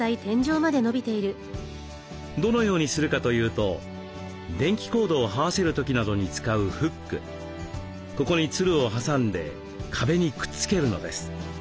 どのようにするかというと電気コードをはわせる時などに使うフックここにつるを挟んで壁にくっつけるのです。